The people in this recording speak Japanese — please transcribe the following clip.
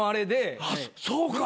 あっそうか。